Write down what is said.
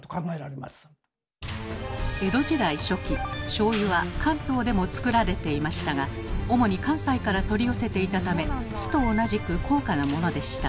しょうゆは関東でも造られていましたが主に関西から取り寄せていたため酢と同じく高価なものでした。